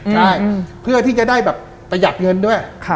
ใช่เพื่อที่จะได้แบบประหยัดเงินด้วย